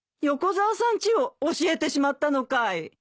横沢さんちを教えてしまったのかい？